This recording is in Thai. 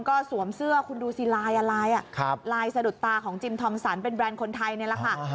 ก็สวมเสื้อคุณดูสิลายอะไรลายสะดุดตาของจิมทอมสันเป็นแรนด์คนไทยนี่แหละค่ะ